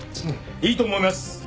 いいと思います！